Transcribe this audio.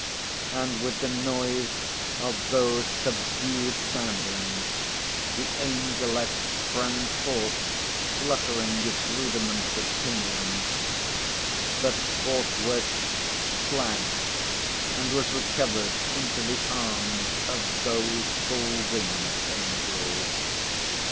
And, with the noise of those subdued soundings, the Angelet sprang forth, fluttering its rudiments of pinions—but forthwith flagged and was recovered into the arms of those full winged angels.